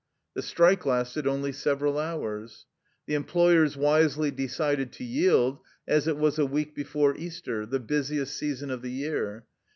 The strike lasted only several hours. The employers wisely decided to yield, as it was a week before Easter, the busiest season of the year.